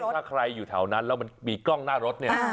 ถ้าใครอยู่แถวนั้นแล้วมันมีกล้องหน้ารถเนี่ย